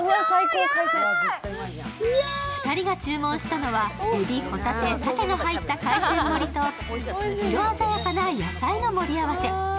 ２人が注文したのはえび、ほたて、しゃけが入った海鮮盛りと色鮮やかな野菜の盛り合わせ。